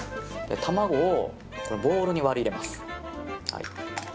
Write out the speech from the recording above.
卵をボウルに割り入れます。